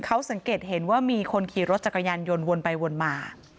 เขาสังเกตเห็นว่ามีคนขี่รถจักรยานยนต์วนไปวนมา